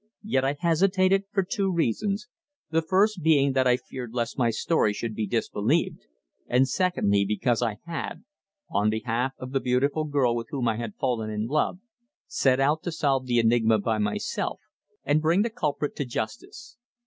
Yet I hesitated for two reasons, the first being that I feared lest my story should be disbelieved, and secondly, because I had, on behalf of the beautiful girl with whom I had fallen in love, set out to solve the enigma by myself, and bring the culprit to justice.